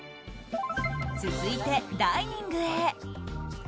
続いて、ダイニングへ。